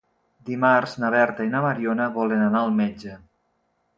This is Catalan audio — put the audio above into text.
Dimarts na Berta i na Mariona volen anar al metge.